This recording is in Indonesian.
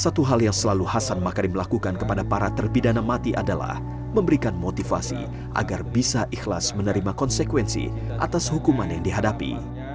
satu hal yang selalu hasan makarim lakukan kepada para terpidana mati adalah memberikan motivasi agar bisa ikhlas menerima konsekuensi atas hukuman yang dihadapi